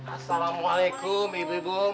assalamualaikum ibu ibu majid